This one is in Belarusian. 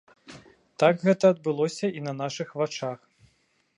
Так гэта адбылося і на нашых вачах.